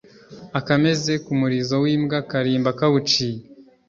akameze ku murizo w'imbwa karimba kawuciye